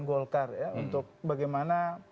golkar ya untuk bagaimana